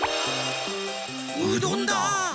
うどんだ！